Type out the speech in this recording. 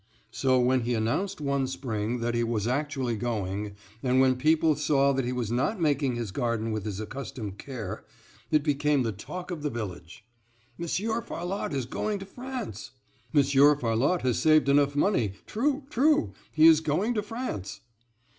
So when he announced one spring that he was actually going, and when people saw that he was not making his garden with his accustomed care, it became the talk of the village: "Monsieur Farlotte is going to France;" "Monsieur Farlotte has saved enough money, true, true, he is going to France."